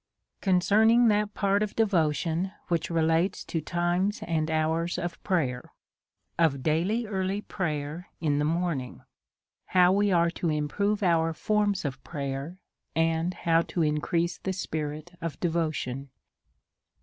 Concerning that part of Devotion, ivhich relates to Times and Hours of Prayer. Of daily early Prayer in the Morning. How ice are to improve our Forms of Prayer, and how to increase the Spirit of Devotion.